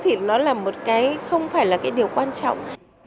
thì nó là một cái không phải là cái điều quan trọng